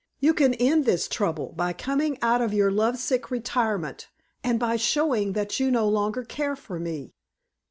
You can end this trouble by coming out of your lovesick retirement, and by showing that you no longer care for me."